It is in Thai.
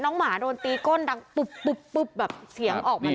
น้องหมาตีก้นดังปุ๊บแบบเสียงออกมาเลย